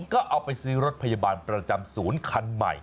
ก็เอาไปซื้อรถพยาบาลประจำศูนย์คันใหม่